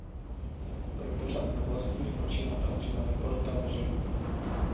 Pro pořad "Na vlastní oči" natáčela reportáže.